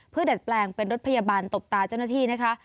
เพื่อดัดแปลงเป็นรถพยาบาลตบตาเจ้าหน้าที่นะคะ